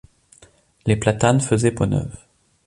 Les platanes faisaient peau neuve.